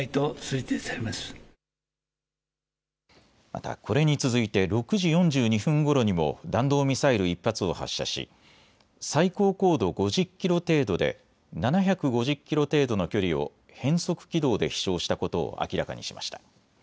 また、これに続いて６時４２分ごろにも弾道ミサイル１発を発射し最高高度５０キロ程度で７５０キロ程度の距離を変則軌道で飛しょうしたことを明らかにしました。